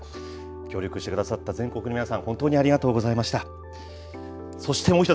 協力してくださった全国の皆さん、本当にありがとうございました。